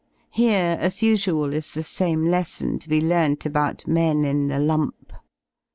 Here, as usual, is the same lesson to be learnt about men in the lump.